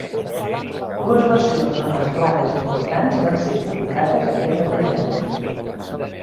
Dues versions remesclades importants van ser publicades aquest mateix any.